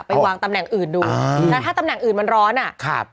วางตำแหน่งอื่นดูอ่าแล้วถ้าตำแหน่งอื่นมันร้อนอ่ะครับ